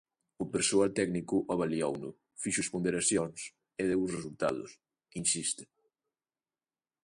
O persoal técnico avaliouno, fixo as ponderacións e deu os resultados, insiste.